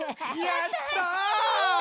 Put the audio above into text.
やったち！